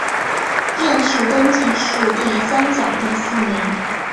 殿试登进士第三甲第四名。